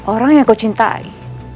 orang yang kau cintai